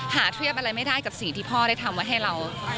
เทียบอะไรไม่ได้กับสิ่งที่พ่อได้ทำไว้ให้เรา